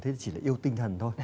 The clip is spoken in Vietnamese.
thế thì chỉ là yêu tinh thần thôi